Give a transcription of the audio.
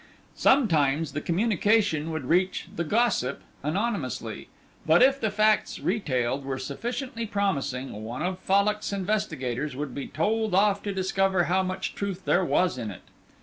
Sometimes the communication would reach the Gossip anonymously, but if the facts retailed were sufficiently promising, one of Fallock's investigators would be told off to discover how much truth there was in it.